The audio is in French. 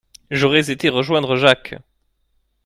J'aurais été rejoindre Jacques.